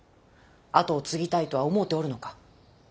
跡を継ぎたいとは思うておるのか？